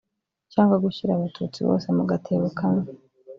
cyangwa gushyira abatutsi bose mu gatebo kamwe